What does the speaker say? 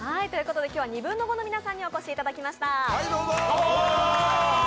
今日は、ニブンノゴ！の皆さんにお越しいただきました。